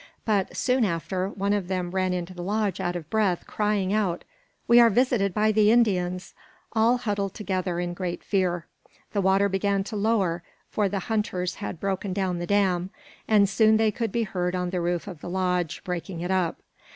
But, soon after, one of them ran into the lodge out of breath, crying out: "We are visited by the Indians!" All huddled together in great fear. The water began to lower, for the hunters had broken down the dam, and soon they could be heard on the roof of the lodge, breaking it up.